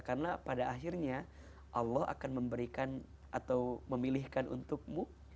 karena pada akhirnya allah akan memberikan atau memilihkan untukmu